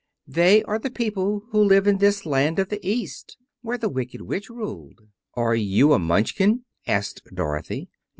"They are the people who live in this land of the East where the Wicked Witch ruled." "Are you a Munchkin?" asked Dorothy.